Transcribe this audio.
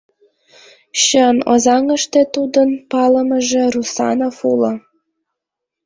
Чын, Озаҥыште тудын палымыже Русанов уло.